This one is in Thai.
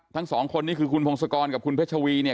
ทั้งสองคนนี้คือคุณพงศกรกับคุณเพชรวีเนี่ย